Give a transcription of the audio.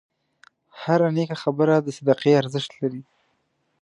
هره نیکه خبره د صدقې ارزښت لري.